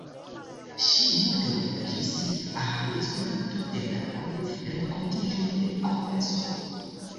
Ŝi multe vojaĝis al Esperanto-tendaroj, renkontiĝoj, kongresoj.